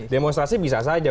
demonstrasi bisa saja